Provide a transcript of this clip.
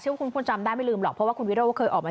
ชื่อคุณคุณจำได้ไม่ลืมหรอกเพราะว่าคุณวิดีโอก็เคยออกมา